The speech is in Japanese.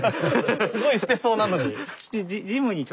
すごいしてそうなのに。